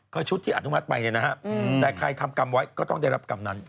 ก็ชุดที่อนุมัติไปเนี่ยนะฮะแต่ใครทำกรรมไว้ก็ต้องได้รับกรรมนั้น